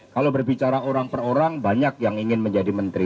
kalau berbicara orang per orang banyak yang ingin menjadi menteri